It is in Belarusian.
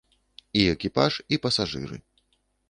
І экіпаж, і пасажыры.